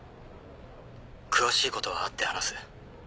詳しいことは会って話す。